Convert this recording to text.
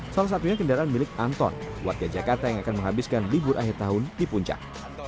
salah satunya kendaraan milik anton warga jakarta yang akan menghabiskan libur akhir tahun di puncak